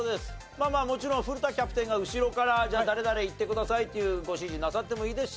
まあまあもちろん古田キャプテンが後ろからじゃあ誰々いってくださいっていうご指示なさってもいいですし。